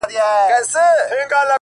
او ستا پر قبر به،